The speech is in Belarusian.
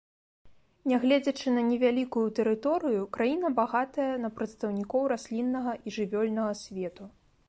Нягледзячы на невялікую тэрыторыю, краіна багатая на прадстаўнікоў расліннага і жывёльнага свету.